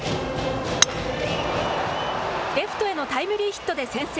レフトへのタイムリーヒットで先制。